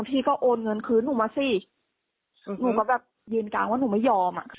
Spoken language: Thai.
พี่ก็โอนเงินคืนหนูมาสิหนูก็แบบยืนกลางว่าหนูไม่ยอมอ่ะ